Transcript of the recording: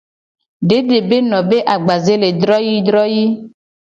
Dede be no be agbaze le droyii droyii.